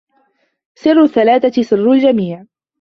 سر الثلاثة سر للجميع.